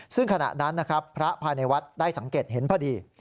ซึ่งขณะนั้นนะครับพระภายในวัดได้สังเกตเห็นพอดี